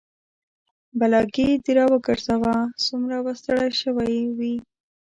بلاګي د راوګرځه سومره به ستړى شوى وي